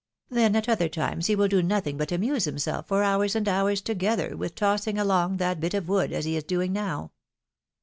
Then at other times he will do nothing but amuse himself for hours and hours together with tossing along that bit of wood, as he is doing now.